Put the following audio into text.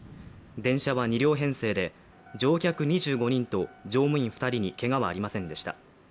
電車は２両編成で、乗客２５人と乗務員２人にけがはありませんでした。